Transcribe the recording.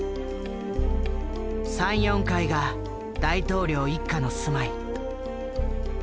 ３４階が大統領一家の住まい。